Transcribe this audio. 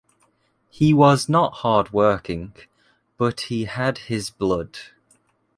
He was not hardworking, but he had his blood.